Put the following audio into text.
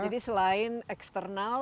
jadi selain eksternal